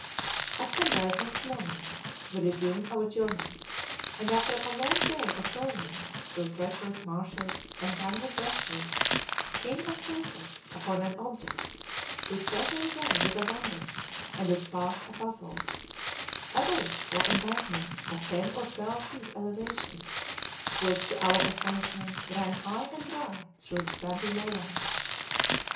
At sunrise next morning we resumed our journey, and after a long day of toiling through treacherous marshes and tangled brushwood came at sunset upon an object whose presence there was a wonder, and its past a puzzle, a ridge or embankment of ten or twelve feet elevation, which, to our astonishment, ran high and dry through the swampy lowlands.